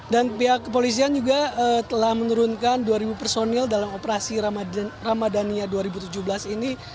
dan pihak polosian juga telah menurunkan dua ribu personil dalam operasi ramadhania dua ribu tujuh belas ini